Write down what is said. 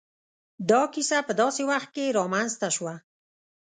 دا کيسه په داسې وخت کې را منځ ته شوه.